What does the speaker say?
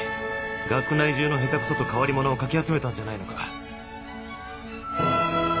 学内中の下手クソと変わり者をかき集めたんじゃないのか！？